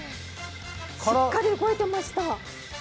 しっかり動いてました。